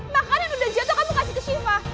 makanan udah jatoh kamu kasih ke syifa